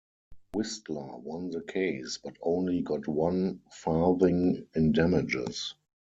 Whistler won the case, but only got one farthing in damages.